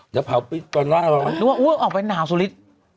ด้วยเหลือออกมาน้าซูลิส